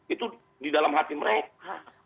itu di dalam hati mereka